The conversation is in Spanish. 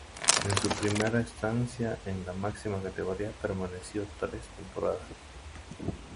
En su primera estancia en la máxima categoría permaneció tres temporadas.